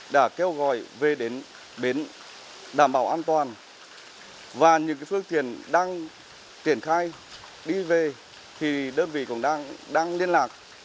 đảm bảo an toàn và những phương tiện đang triển khai đi về thì đơn vị cũng đang liên lạc